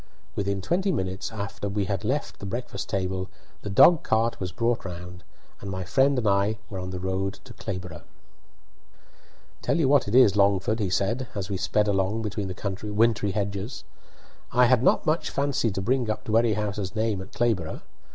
Within twenty minutes after we had left the breakfast table the dog cart was brought round, and my friend and I were on the road to Clayborough. "Tell you what it is, Langford," he said, as we sped along between the wintry hedges," I do not much fancy to bring up Dwerrihouse's name at Clayborough.